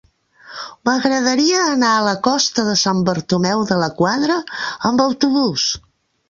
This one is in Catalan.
M'agradaria anar a la costa de Sant Bartomeu de la Quadra amb autobús.